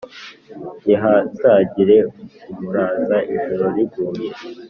ntihazagire umuraza ijoro riguye,